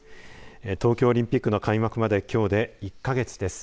東京オリンピックの開幕まできょうで１か月です。